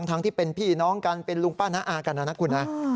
ทั้งที่เป็นพี่น้องกันเป็นลุงป้าน้าอากันนะนะคุณนะ